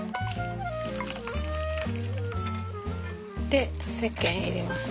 でせっけん入れます。